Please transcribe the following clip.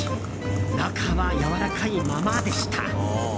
中はやわらかいままでした。